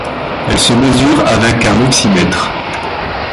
Elle se mesure avec un oxymètre.